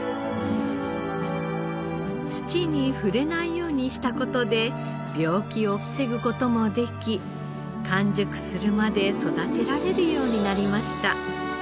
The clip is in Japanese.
土に触れないようにした事で病気を防ぐ事もでき完熟するまで育てられるようになりました。